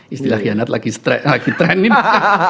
istilah kianat lagi trend nih